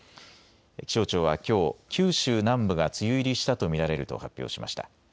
気象庁はきょう、九州南部が梅雨入りしたと見られると発表しました。